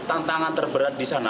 tantangan terberat di sana